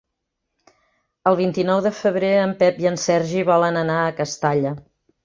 El vint-i-nou de febrer en Pep i en Sergi volen anar a Castalla.